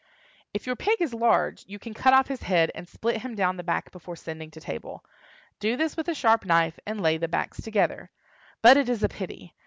If your pig is large, you can cut off his head and split him down the back before sending to table. Do this with a sharp knife, and lay the backs together. But it is a pity!